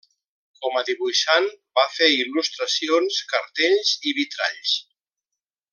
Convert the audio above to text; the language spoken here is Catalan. Com a dibuixant, va fer il·lustracions, cartells i vitralls.